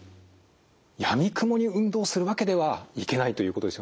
やみくもに運動するわけではいけないということですよね。